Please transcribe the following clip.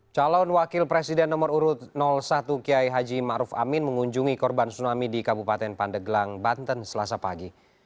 calon wakil presiden nomor urut satu kiai haji ⁇ maruf ⁇ amin mengunjungi korban tsunami di kabupaten pandeglang banten selasa pagi